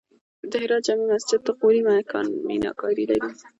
د هرات جمعې مسجد د غوري میناکاري لري